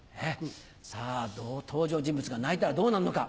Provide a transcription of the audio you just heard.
さぁ登場人物が泣いたらどうなるのか？